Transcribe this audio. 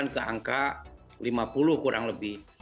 enam puluh sembilan ke angka lima puluh kurang lebih